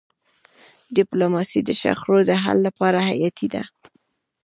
ډيپلوماسي د شخړو د حل لپاره حیاتي ده.